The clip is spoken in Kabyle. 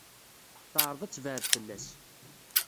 Teɛreḍ ad tebɛed fell-as.